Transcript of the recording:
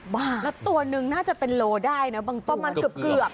และตัวหนึ่งน่าจะเป็นโลได้นะประมาณเกือบ